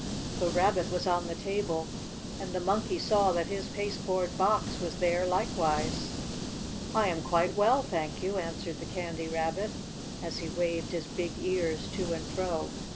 The Rabbit was on the table, and the Monkey saw that his pasteboard box was there likewise. "I am quite well, thank you," answered the Candy Rabbit, as he waved his big ears to and fro.